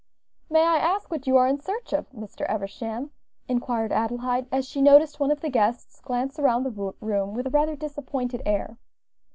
"May I ask what you are in search of, Mr. Eversham?" inquired Adelaide, as she noticed one of the guests glance around the room with a rather disappointed air.